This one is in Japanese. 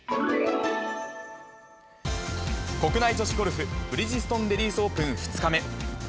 国内女子ゴルフ、ブリヂストンレディスオープン２日目。